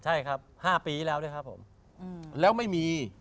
ใช่ครับ๕ปีแล้วด้วยครับผม